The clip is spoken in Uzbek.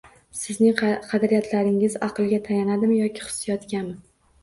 Sizning qadriyatlaringiz aqlga tayanadimi, yoki hissiyotgami